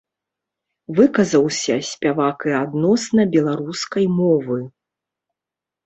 Выказаўся спявак і адносна беларускай мовы.